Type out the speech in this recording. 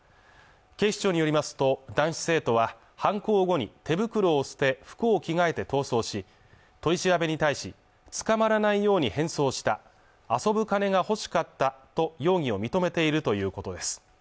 警視庁によりますと男子生徒は犯行後に手袋を捨て服を着替えて逃走し取り調べに対し捕まらないように変装した遊ぶ金が欲しかったと容疑を認めているということです